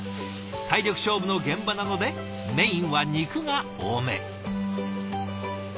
体力勝負の現場なのでメインは肉が多め。